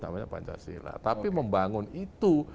namanya pancasila tapi membangun itu